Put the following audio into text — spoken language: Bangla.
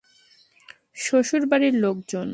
শ্বশুর বাড়ির লোকজন?